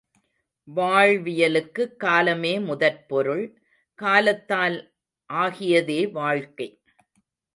வாழ்வியலுக்குக் காலமே முதற்பொருள், காலத்தால் ஆகியதே வாழ்க்கை!